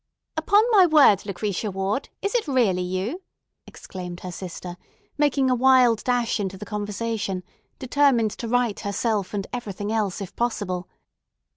"Upon my word, Lucretia Ward, is it really you?" exclaimed her sister, making a wild dash into the conversation, determined to right herself and everything else if possible.